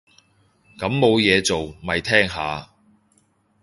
咁冇嘢做，咪聽下